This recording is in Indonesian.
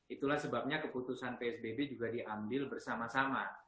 itulah sebabnya keputusan psbb juga diambil bersama sama